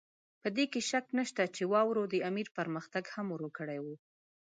په دې کې شک نشته چې واورو د امیر پرمختګ هم ورو کړی وو.